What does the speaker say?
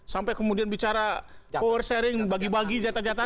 sampai kemudian bicara power sharing bagi bagi jatah jatah